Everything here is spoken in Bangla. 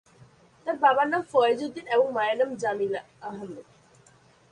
তার বাবার নাম ফয়েজ উদ্দিন এবং মায়ের নাম জামিলা আহমেদ।